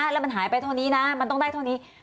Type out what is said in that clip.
แล้วมันหายไปเท่านี้นะมันต้องได้เท่านี้